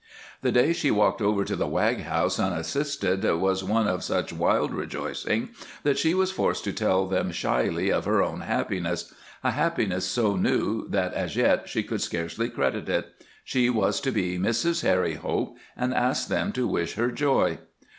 The day she walked over to the Wag house unassisted was one of such wild rejoicing that she was forced to tell them shyly of her own happiness, a happiness so new that as yet she could scarcely credit it. She was to be Mrs. Harry Hope, and asked them to wish her joy.